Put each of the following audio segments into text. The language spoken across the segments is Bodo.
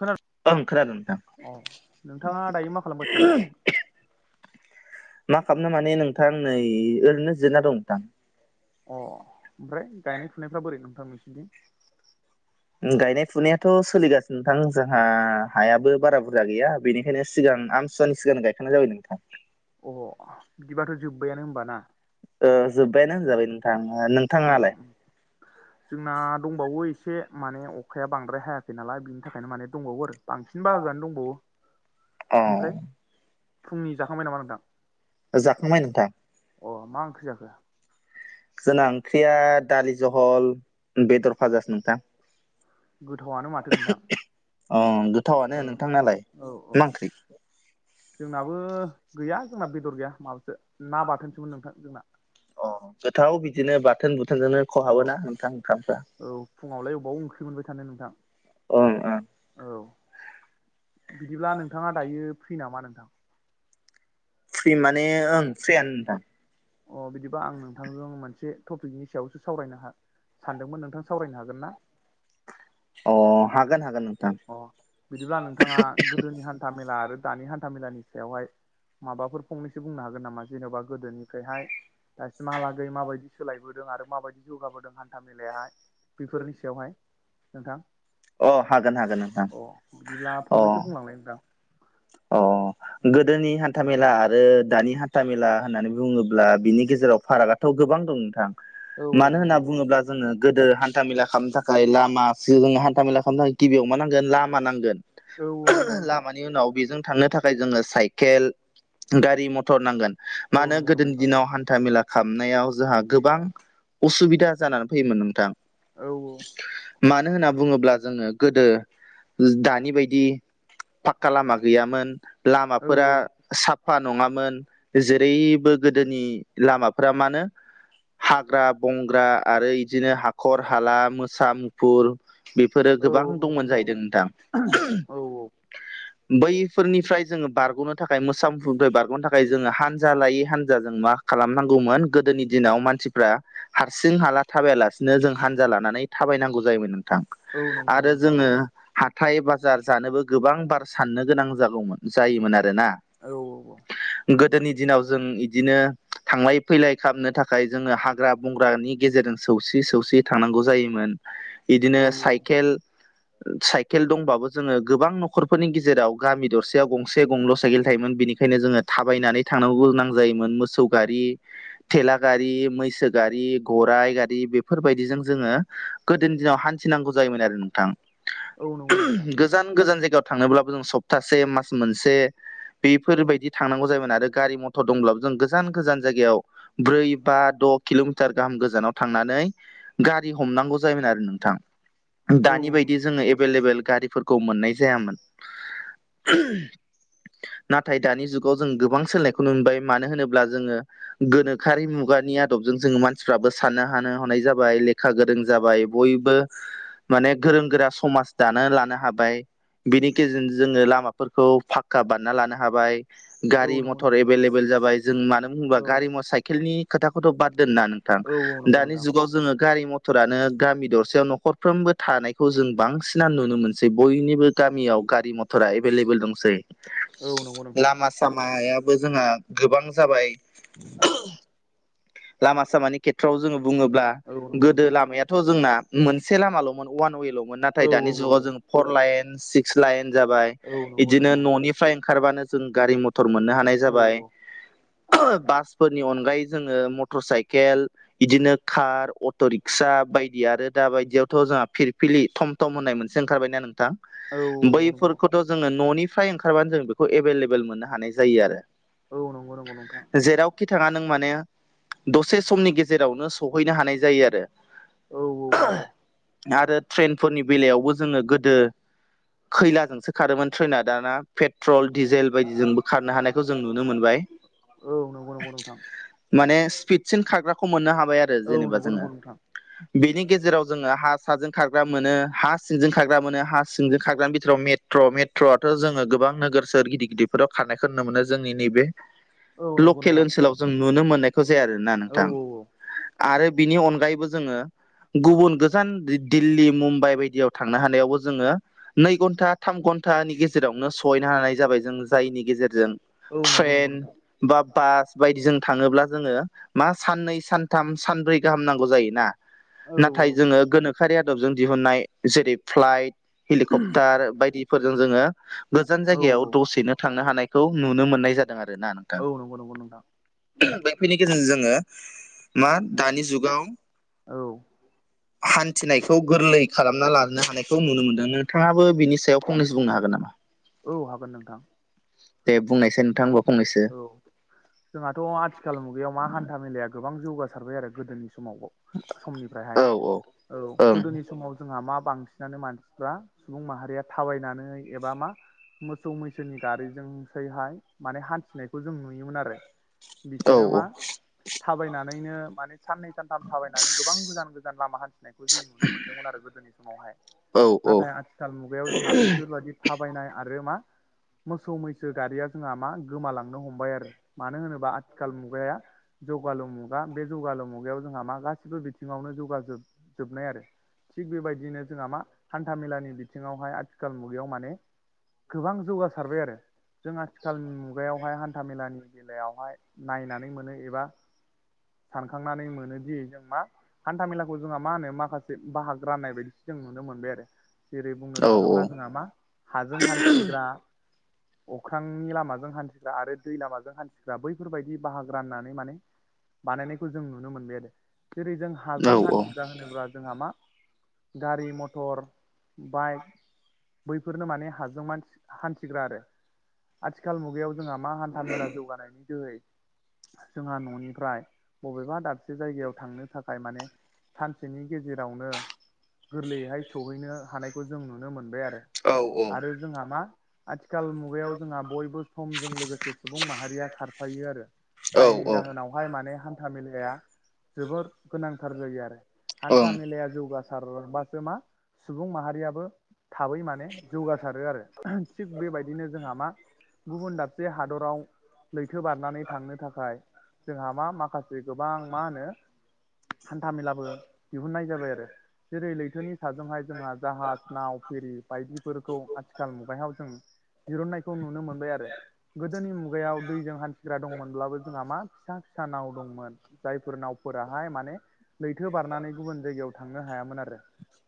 खोनादों ओं खोनादों नोंथां। अ नोंथाङा दायो मा खालामगासिनो नोंथां मा खालामनो माने नोंथां नै ओरैनो जिरायना दं नोंथां। अ ओमफ्राय गायनाय फुनायफ्रा बोरै नोंथां नोंसिनि गायनाय फुनायाथ' सोलिगासिनो नोंथां जोंहा हायाबो बारा बुरजा गैया बेनिखायनो सिगां सिननो गायखांनाय जाबाय नोंथां। अ बिदिबाथ' जोब्बायआनो होमबा ना। ओ जोब्बायानो होनजाबाय नोंथां ओ नों उम- उम। जोंना दंबावो एसे माने अखाया बांद्राय हायाखै नालाय बिनि थाखायनो माने दंबावो आरो बांसिन बाहागोानो दंबावो अ ओमफ्राय फुंनि जाखांबाय नामा नोंथां जाखांबाय नोंथां अ मा ओंख्रि जाखो जोंना ओंख्रिया दालि जहल बेदर फाजासो नोंथां गोथावआानो माथो नोंथां ओं गोथावनो औ नोंथांनाालाय औ औ मां ओंख्रि जोंनाबो गैया जोंना बेदर गैया माबासो ना बाथोनसोमोन नोंथां जोंना अ गोथाव बिदिनो बाथोन बुथोनजोंनो औ खहाबोना नोंथां ओंखामफ्रा औ फुङावलाय अबाव ओंख्रिमोनबाय थानो नोंथां ओं‌ओं औ बिदिब्ला नोंथाङा दायो फ्रि नामा नोंथां फ्रि माने ओं फ्रियानो नोंथां अ बिदिबा आं नोंथांजों मोनसे टपिकनि सायावसो सावरायनो हा सानदोंमोन नोंथां सावरायनो हागोन ना? अ हागोन हागोन नोंथां अ बिदिब्ला नोंथाङा गोदोनि हान हान्था मेला आरो दानि हान्था मेलानि सायावहाय माबाफोर फंनैसो बुंनो हागोन नामा जेन'बा गोदोनिफ्रायहाय दासिमहालागै माबायदि सोलायबोदों आरो माबायदि जौगाबोदों हान्था मेलायाहाय बेफोरनि सायावहाय नोंथां अ हागोन हागोन नों अ बिदिब्ला फंनैसो बुंलांनाय नोंथां अ औ गोदोनि नि हान्था मेला आरो दानि हान्था मेला होननानै बुङोब्ला बिनि गेजेराव फारागथ' गोबां दं नोंथां औ औ मानो होनना नंगौ बुङोब्ला जोङो गोदो हान्था मेला खालामनो थाखाय लामा जोङो हान्था मेला खालामनो थाखाय गिबियाव मा नांगोन लामा नांगोन औ औ नंगौ नोंथां लामानि उनाव बेजों थांनो थाखाय जोङो साइकेल गारि मथर नांगोन औ मानो नंगौ नंगौ गोदोनि नोंथां दिनाव हान्था मेला हाबनायाव जोंहा गोबां उसुबिदा जानानै फैयोमोन नोंथां औ मानो होनना बुङोब्ला जोङो गोदो दानि बायदि पक्का लामा गैयामोन औ लामाफोरा साफा नङामोन जेरैबो गोदोनि लामाफोरा मानो हाग्रा बंग्रा आरो इदिनो हाखर हाला मोसा मु फुर बेफोरो औ गोबां औ नंगौ दंमोन नंगौ जाहैदों नोंथां औ बैफोरनिफ्राय जोङो बारग'नो थाखाय मोसा मुसुरनिफ्राय बारग'नो थाखाय जोङो हानजा लायै हानजाज जों मा खालामनांगौमोन गोदोनि दिनाव मानसिफ्रा हारसिं हाला थाबायालासिनो जों हानजा लानानै थाबायनांगौ जायोमोन थां औ नंगौ नंगौ आरो नोंथां जोङो हाथाय बाजार जानोबो गोबां बार साननो गोनां जागौमोन जायोमोन आरो ना औ औ औ गोदोनि दिनाव जों बिदिनो थांलाय फैलाय खालामनो थाख थाखाय जोङो हाग्रा बंग्रानि गेजेरजों सौसि सौसि थांनांगौ जायोमोन औ बिदिनो साइप औ खेल साइखेल दंबो जो गोबां नख'र फोरनि गेजेराव गामि दरसेयाव गंसे गंल' साइकेल थायोमोन बेनिखायनो जोङो थाबायनानै थांनांग गोनां जायोमोनो मोस मोसौ गारि थेलागारि मैसो गारि गराइ गारि बेफोरबायदिजों जोङो गोदोनि दिनाव हान्थिनांगौ जायोमोन आरो नोंथां औ नंगौ नंगौ नोंथां गोजान गोजान जायगायाव थांनोब्लाबो जों सप्तासे मास मोनसे बेफोरबायदि थांनांगौ जायोमोन आरो गारि मथर गथ' दंब्लाबो जों गोजान गोजान जायगायाव ब्रै बा द' किल'मिटार गाहाम गोजानाव थांनानै गारि हमनांगौ जायोमोन आरो नोंथां औ दानि औ नंगौ बायदि नोंथां जोङो एभेलेबेल गारिफोर खौ मोननाय जायामोन। नाथाय दानि जुगाव जों गोबां सोलोंनायखौ नुबाय मानो होनोब्ला जोङो गोनोखोरि मुगानिया आदबजों जोङो मानसिफ्राबो साननो हानो हानाय जाबाय लेखा गोरों जाबाय बयबो माने गोरों गोरा समाज दानो लानो हाबाय। बिनि गेजेरजों जोङो लामाफोरखौ फाखक्का बान्ना लानो हाबाय औ गारि नंगौ नंगौ मथर नोंथां एभेलेबेल जाबाय जों मानो बुंबा औ गारि म साइकेलनि खोथाखौथ' बाददोंनना नों औ औ नंगौ दानि नोंथां जुगाव जोङो गारि मथर टरानो गामि दरसेायाव न'खरफ्रोमबो थानायखौ जों बांसिना नुनो मोनसै बयनिबो गामियाव गारि मथरा एभेलेबल दंसै लामा लामायाबो जोंहा गोबां जाबाय। औ लामा सामानि खेथ्रआव जोङो बुङोब्ला औ नंगौ गोदो नोंथां लामाया थ जोंना मोनसे लामाल'मोन वान वेल'। नाथाय दानि जुगाव जों औ फर लाइन सिक्स लाइन जाबाय। नंगौ बिदिनो नोंथां न'निफ्राय ओंखारबानो जों गारि मथर मोननो हानाय औ जाबाय बासफोरनि अनगायै जोङो मटर साइकेल केल बिदिनो कार अट' रिक्सा बायदि आरो दा बायदियावथ' जोंहा फिरफिलि थम थम होननाय मोनसे ओंखारबायनाा नोंथां औ नंगौ नोंथां औ नंगौ नंगौ बैफोरखौ थ' जोङो न'निफ्राय ओंखारबानो जों बेखौ एभेलेबल मोननो हानाय जायो आरो औ नंगौ नंगौ नोंथा। खि थाङा नों माने दसे समनि गेजेरावनो सहैनो हानाय जायो आरो औ औ नंगौ आरो ट्रेनफोरनि बेलायावबो जोङो गोदो खैलाजोंसो खारोमोन ट्रैना दाना पेट्रल डिजेल बायदिजोंबो खारनो हानायखौ जों नुनो मोनबाय। औ नंगौ नंगौ नंथां। फिडसिन खाराग्राखौ मोननो हाबाय आरो जेनेबा जोङो नंगौ नोंथां बेनि गेजेराव जोङो हा साजों खारग्रा मोनो हा सिंजों खारग्रा मोनो हा सिंजों खारग्रानि बिथोराव मेट मेट्र' मेट्र' आथ' जोङोबां नोगोर सोर गिदिर गिदिरफोराव खारानायखौ नुनो मोनो जोंनि नैबे औ नंगौ लकेल नोंथां ओनसोलाव जों नुनो मोननायखौ जाया आरोना औ नोंथां। आरो बिनि अनगायैबो जोङो गुबुन गोजान दिल्ली मुम्बाइ बायदियाव थांनो हानायावबो जोङो नै घन्टा थाम घन्टानि गेजेरावनो सहैनो हानाय जाबाय जों जायनि गेजेरजों औ नंगौ नंगौ ट्रेन नोंथां बा बास बायदिजों थाङोब्ला जों मा सानै सानथाम सानब्रै गाहाम नंगौ जोना औ ना औ नायथ जों गोनो सोरखारि आदबजों दिहुननाय जेरै फ्लाइट हेलिकप्टार बायदिफोरजों जोङो गोजान औ जायगायाव दसेनो थांनो हानायखौ नुनो मोननाय जादों आर ना नों औ नंगौ नंगौ नोंथां। बैफोनि गेजेरजों जोङो मा दानि जुगाव औ हान्थिनायखौ गोरलै खालामना ला हानाय खौ नुनो मोनदों नोंथाङाबो बिनि सायाव फंनैसो बुंनो हागोन नामा? औ हागोन नोंथां दे बुंनायसै नोंथां बा फंनसै। ओ जोंहाथ' आथिखाल मुगायाव मा हान्था मेलाया गोबां जौगासारबाय आरो गोदोनि समाव समनिफ्रायहाय औ ओं गोदोनि समाव जोंहा मा बांसिनानो मानसि फ्रा सुबुं माहारिया थाबायनानै एबा मा मोसौ मैसोनि गारिजोंसैहाय माने हान्थिनायखौ जों नुयोमोन आरो औ बिसोरो औ मा थाबायनानैनो माने साननै सानथाम थाबायनानै गोबां गोजान गोजान लामा हान्थिनायखौ जों नुनो मोनदोंमोन आरो गोदोनि समावहाय औ नाथाय आथिखाल मुगायाव जोंहा बेफोरबायादि थाबायनाय आरो मा मोसौ मैसो गारिया जोंहा मा गोमालांनो हमबाय आरो मानो होनोबा आथिखाल मुगाया। जौगालु मुगा बे जौगालु मुगायाव जोंहा मा गासिबो बिथिङावनो जौगाजोब जोबनाय आरो थिग बेबायदिनो जोंहा मा हान्था मेलानि बिथिङावहाय आथिखाल मुगायाव माने गोबां जौगासारबाय आरो जों आथिखालनि मु खुगायावहाय हान्था मेलानि बेलायावहाय नायनानै मोनो एबा सानखांनानै मोनोदि जों मा हान्था मेलाखौ जोंहा मा होनो माखासे बाहागो राननाय बायदिसो जों नुनो मोनबाय आरो जेरै बुंनो औ थाङोब्ला जोंहा मा हाजों हान्थिग्रा अख्रांनि लामाजों हान्थिग्रा आरो दै लामाजों हान्थिग्रा बैफोरबायदि बाहागो राननानै माने बानायनायखौ जों नुनो मोनबाय आरो जेरै जों औ हाजों हान्थिग्रा होनोब्ला जोंहा मा गारि मटर बाइक बैफोरनो माने हाजोंसि हान्थिग्रा आरो आथिखाल मुगायाव जोंहा मा हान्था मेला जौगानायनि दोहै जोंहा न'निफ्राय बबेबा दाबसे जायगायाव थांनो थाखाय माने सानसेनि गेजेरावनो गोरलैयैहाय सौहैनो हानाय खौ जों नुनो मोनबाय आरो औ ओं आरो जोंहा मा आथिखाल मुगायाव जोंहा बयबो सुबुं माहारिया खारफायो आरो जायनि औ जाहोनाव बावहाय माने हान्था मेलाया जोबोर गोनांथार जायो आरो हान्था मेलाया जौगासारबासो मा सुबुं माहारियाबो थाबै माने जौगासारो आरो थिग बेबायदिनो जोंहा मा गुबुन दाबसे हादराव लैथो बारनानै थांनो थाखाय जोंहा मा माखासे गोबां मा होनो हान्था मेलाबो दिहुननाय जाबाय आरो जेरै लैथोनि साजोंहाय जोंहा जाहाज नाव फेरि बायदिफोरखौ आथिखाल मुगायाव जों दिरुननायखौ नुनो मोनबाय आरो। गोदोनि मुगायाव दैजों हान्थिग्रा दंमोनब्लाबो जोंहा मा फिसा फिसा नाव दंमोन जायफोर नावफोराहाय माने लैथो बारनानै गुबुन जायगायाव थांनो हायामोन आरो।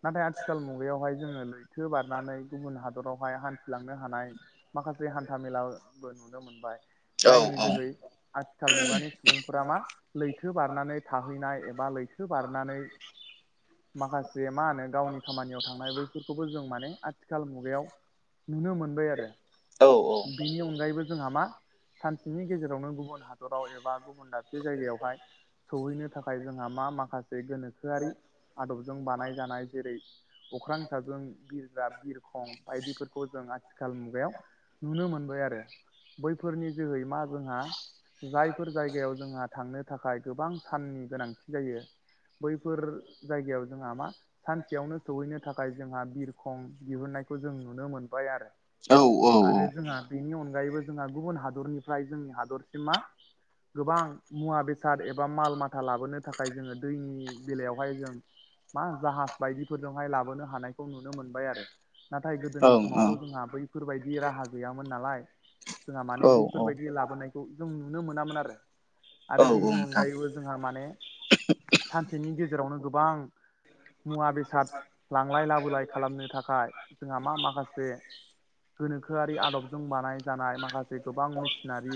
नाथाय आथिखाल मुगायावहाय जोङो लैथो बारनानै गुबुन हादरावहाय हान थिलांनो हानाय माखासे हान्था मेलाबो नुनो मोनबाय जायनि जोहै आथिखाल मुगानि सुबुंफोरा मा लैथो बारनानै थाहैनाय एबा लैथो बारनानै माखासे मा होनो गावनि खामानियाव थांनाय बैफोरखौबो जों माने आथिखाल मुगायाव नुनो मोनबाय आरो। बिनि अनगायैबो जोंहा मा सानसेनि गेजेरावनो गुबुन हादराव एबा गुबुन बे जायगायावहाय सौहैनो थाखाय जोंहा मा माखासे बे गोनोखोआरि आदबजों बानायजानाय जेरै अख्रां साजों बिरग्रा बिरखं बायदिफोरखौ जों आथिखाल मुगायाव नुनो मोनबाय आरो बैफोरनि जोहै मा जोंहा जायफोर जायगायाव जोंहा थांनो थाखाय गोबां साननि गोनांथि जायो बैफोर जायगायाव जोंहा मा सानसेयावनो सहैनो थाखाय जोंहा बिरखं बिहुननायखौ जों नुनो मोनबाय आरो। औ औ आरो जोंहा बेनि अनगायैबो जोंहा गुबुन हादरनिफ्राय जोंनि हादरसिमा गोबां मुवा बेसाद एबा माल माथा लाबोनो थाखाय जोङो दैनि बेलायावहाय जों मा जाहाज बायदिफोरजोंहाय लाबोनो हानायखौ नुनो मोनबाय आरो। नाथाय औ गोदोनि ओं ओं समावथ' जोंहा बैफोरबायदि राहा गैयामोन नालाय जोंहा माने औ औ बेफोरबायदि लाबोनायखौ जों नुनो मोनामोन आरो औ आरो बेनि नोंथां अनगायैबो जोंहा माने सानसेनि गेजेरावनो गोबां मुवा बेसाद लांलाय लाबोलाय खालामनो थाखाय जोंहा मा माखासे गोनोखोआरि आदबजों बानाय जानाय माखासे गोबां मेसिनारि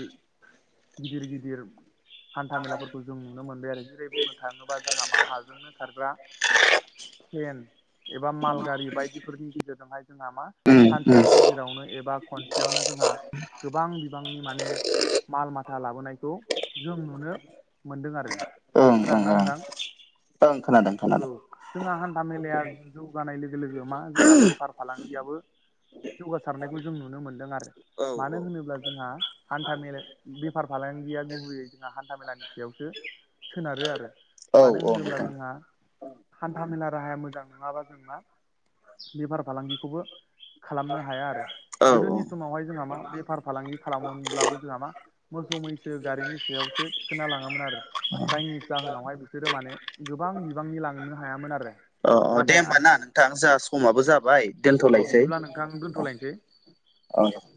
गिदिर गिदिर हान्था मेलाफोरखौ जों नुनो मोनबाय आरो जेरै बुंनो था थाङोबा जोंहा मा हाजोंनो खारग्रा त्रेन एबा माल गारि बायदिफोरनि गेजेरजोंहाय जोंहा मा उम उम सानसेनि जेरावनो एबा खनसेयावनो जोंहा गोबां बिबांनि माने माल माथा लाबोनायखौ जों नुनो मोनदों आरो ओं खोनादों ओं ना ओं नोंथां ओं खोनादों औ खोनादों जोंहा हान्था मेलाया जौगानाय लोगो लोगो मा जोंहा बेफार फालांगियाबो जौगासारनायखौ जों नुनो मोन्दों आरो औ मानो होनोब्ला जोंहा हान्था मेला बेफार फालांगिया गुबैयै जोंहा हान्था मेलानि सायावसो सोनारो आरो। औ मानो औ होनोब्ला नोंथां जोंहा हान्था मेला राहाया मोजां नङाबा जों मा बेफार फालांगिखौबो खालामनो हाया आरो औ औ गोदोनि समावहाय जोंहा मा बेफार फालांगि खालामोमब्लाबो जोंहा मा मोसौ मैसो गारिनि सायावसो थिखोनना लाङोमोन आरो चाइनिस जाहोनावहाय बिसोरो माने गोबां बिबांनि लांनो हायामोन आरो अ दे नाथाय होम्बा ना आथि नोंथां जों समाबो जाबाय अ दोनथ'लायसै बिदिब्ला नोंथां अ दोनथ'लायनोसै औ